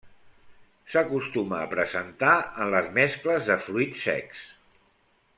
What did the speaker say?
S'acostuma a presentar en les mescles de fruits secs.